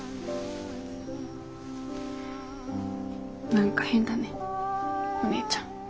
何か変だねお姉ちゃん。